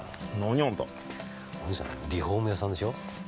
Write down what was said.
おにいさんリフォーム屋さんでしょ？